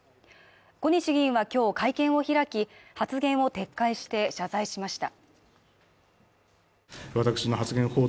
小西議員は今日会見を開き、発言を撤回して謝罪しました。